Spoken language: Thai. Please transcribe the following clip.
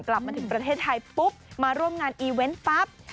กลับมาถึงประเทศไทยปุ๊บมาร่วมงานอีเวนต์ปั๊บ